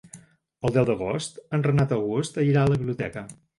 El deu d'agost en Renat August irà a la biblioteca.